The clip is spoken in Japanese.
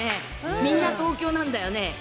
みんな東京なんだよね。